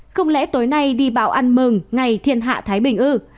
không lẽ tối nay đi bảo ăn mừng ngày thiên hạ thái bình ư